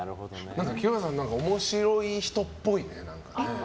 清原さん、面白い人っぽいね。